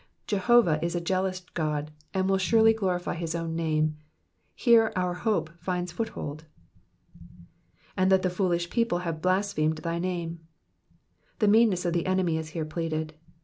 Jehovah is a jealous God, and will surely glorify his own name ; here our hope finds foothold. \^And that the foolish pe^}ple liave bla^hemed thy name.^'' The meanness of the enemy is here pleaded.